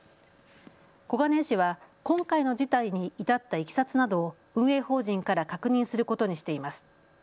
小金井市は今回の事態に至ったいきさつなどを運営法人から確認することにしています。